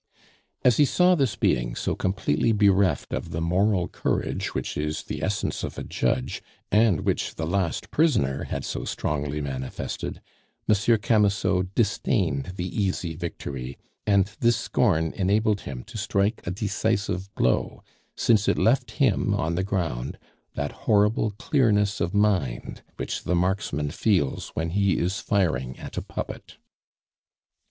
As he saw this being, so completely bereft of the moral courage which is the essence of a judge, and which the last prisoner had so strongly manifested, Monsieur Camusot disdained the easy victory; and this scorn enabled him to strike a decisive blow, since it left him, on the ground, that horrible clearness of mind which the marksman feels when he is firing at a puppet.